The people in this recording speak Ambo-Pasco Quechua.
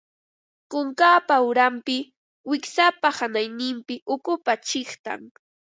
Kunkapa uranpi, wiksapa hanayninpi ukupa chiqtan